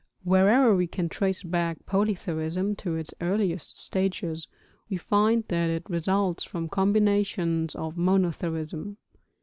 Wherever we can trace back polytheism to its earliest stages we find that it results from combinations of monotheism.